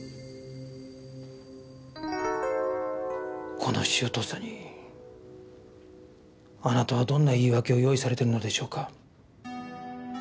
この周到さにあなたはどんな言い訳を用意されてるのでしょうか？